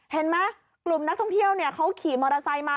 เห็นไหมกลุ่มนักท่องเที่ยวเขาขี่มอเตอร์ไซค์มา